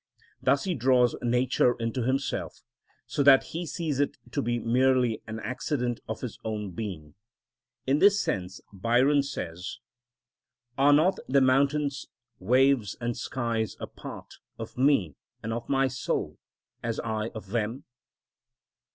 Thus he draws nature into himself, so that he sees it to be merely an accident of his own being. In this sense Byron says— "Are not the mountains, waves, and skies, a part Of me and of my soul, as I of them?"